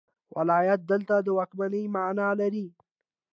ولایت دلته د واکمنۍ معنی لري.